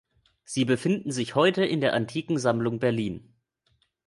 Sie befindet sich heute in der Antikensammlung Berlin.